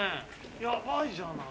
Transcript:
やばいじゃない！